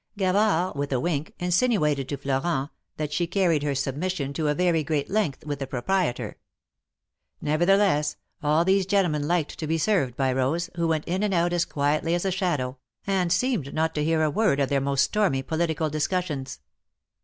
Gavard, with a wink, insinuated to Florent, that she carried her submission to a very great length with the proprietor. Nevertheless, all these THE MAEKETS OP PARIS. 133 gentlemen liked to be served by Rose, who went in and out as quietly as a shadow, and seemed not to hear a word of their most stormy political discussions.